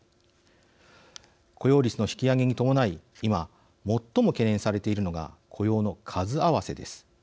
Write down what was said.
雇用率の引き上げに伴い今、最も懸念されているのが雇用の数合わせです。